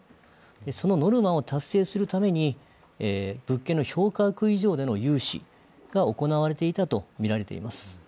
そのノルマを達成するために物件の評価額以上での融資が行われていたとみられています。